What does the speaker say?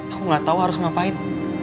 aku gak tau harus ngapain